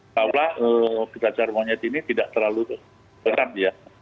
apalagi cacar monyet ini tidak terlalu tetap ya